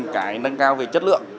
cái nâng cao về chất lượng